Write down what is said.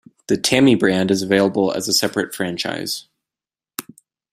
The Tammy brand is available as a separate franchise.